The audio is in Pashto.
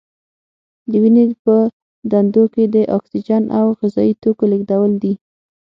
د وینې په دندو کې د اکسیجن او غذايي توکو لیږدول دي.